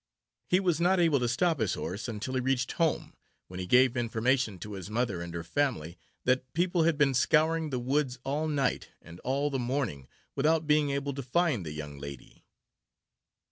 He was not able to stop his horse, until he reached home, when he gave information to his mother and her family. That people had been scouring the woods all night, and all the morning, without being able to find the young lady.